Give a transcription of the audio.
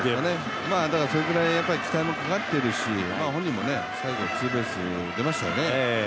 だからそれぐらい期待もかかっているし、本人も最後ツーベース、出ましたよね。